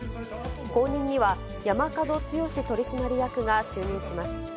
後任には、山角豪取締役が就任します。